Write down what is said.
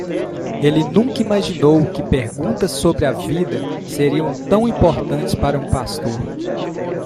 Ele nunca imaginou que perguntas sobre a vida seriam tão importantes para um pastor.